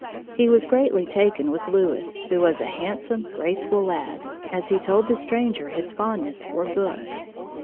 He was greatly taken with Louis, who was a handsome, graceful lad, as he told the stranger his fondness for books.